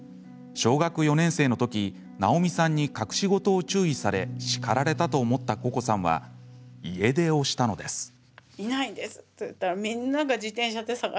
小学４年生のときなおみさんに隠し事を注意され叱られたと思った、ここさんは家出をしたのです。